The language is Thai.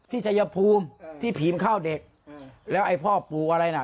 ชัยภูมิที่ผีมเข้าเด็กแล้วไอ้พ่อปู่อะไรน่ะ